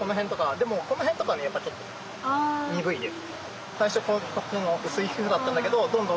でもこの辺とかはちょっと鈍いです。